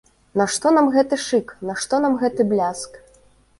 Нашто нам гэты шык, нашто нам гэты бляск.